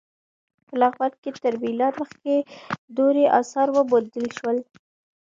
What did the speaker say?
په لغمان کې تر میلاد مخکې دورې اثار وموندل شول.